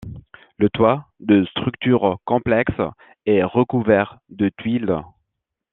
Le toit, de structure complexe, est recouvert de tuiles.